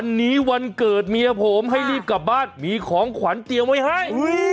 วันนี้วันเกิดเมียผมให้รีบกลับบ้านมีของขวัญเตรียมไว้ให้